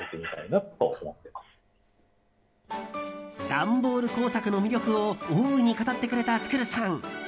段ボール工作の魅力を大いに語ってくれた、つくるさん。